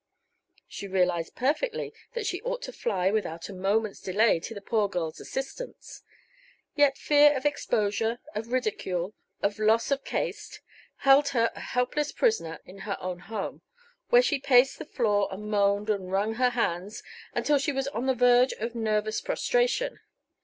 She realized perfectly that she ought to fly, without a moment's delay, to the poor girl's assistance. Yet fear of exposure, of ridicule, of loss of caste, held her a helpless prisoner in her own home, where she paced the floor and moaned and wrung her hands until she was on the verge of nervous prostration.